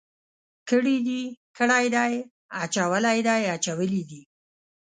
کړي دي، کړی دی، اچولی دی، اچولي دي.